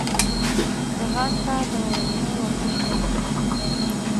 ځغاسته د ورځني ورزش بنسټ دی